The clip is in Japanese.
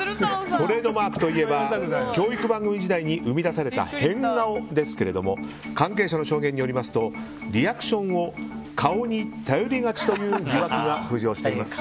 トレードマークといえば教育番組時代に生み出された変顔ですけれども関係者の証言によりますとリアクションを顔に頼りがちという疑惑が浮上しています。